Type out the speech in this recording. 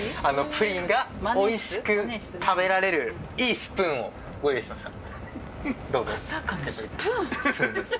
プリンがおいしく食べられるいいスプーンをご用意しました。